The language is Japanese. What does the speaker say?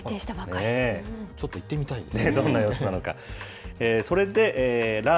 ちょっと行ってみたいですね。